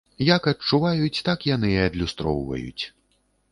Як адчуваюць, так яны і адлюстроўваюць.